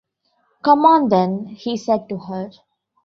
“Come on, then,” he said to her.